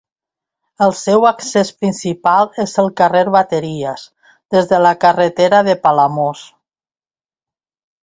El seu accés principal és el carrer Bateries, des de la carretera de Palamós.